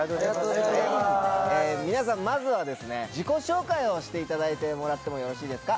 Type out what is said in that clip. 皆さんまずは自己紹介をしていただいてよろしいですか。